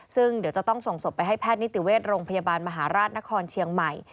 ซึ่งเดี๋ยวจะต้องส่งศพไปให้แพทย์นิติเวชโรงพยาบาลมหาราชนครเชียงใหม่